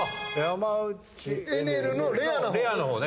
レアの方ね。